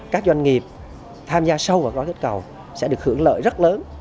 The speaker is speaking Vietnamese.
các doanh nghiệp tham gia sâu vào gói kích cầu sẽ được hưởng lợi rất lớn